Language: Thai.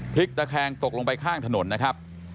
ตะแคงตกลงไปข้างถนนนะครับ